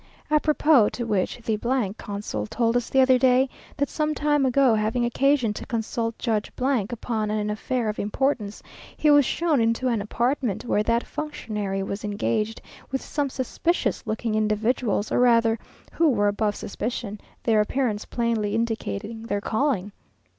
A propos to which, the consul told us the other day, that some time ago, having occasion to consult Judge upon an affair of importance, he was shown into an apartment where that functionary was engaged with some suspicious looking individuals, or rather who were above suspicion, their appearance plainly indicating their calling.